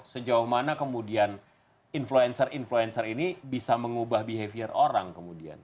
sejauh mana kemudian influencer influencer ini bisa mengubah behavior orang kemudian